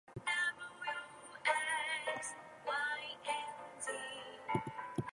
It was the birthplace of the poet and orator Theodectes.